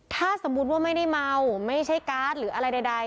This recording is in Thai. ถ้าสมมุติว่าไม่ได้เมาไม่ใช่การ์ดหรืออะไรใด